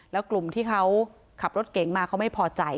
แล้วกลุ่มที่เขาขับรถเก๋งมาเขาไม่พอใจ